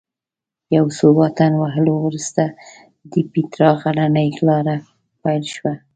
له یو څه واټن وهلو وروسته د پیترا غرنۍ لاره پیل شوه.